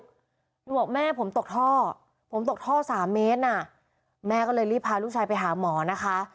บอกแม่ผมตกท่อผมตกท่อสามเมตรน่ะแม่ก็เลยรีบพาลูกชายไปหาหมอนะคะ